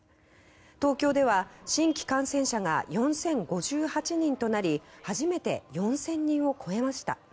東京では、新規感染者が４０５８人となり初めて４０００人を超えました。